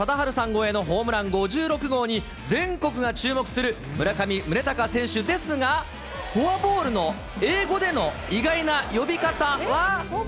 超えのホームラン５６号に全国が注目する村上宗隆選手ですが、フォアボールの英語での意外な呼び方は？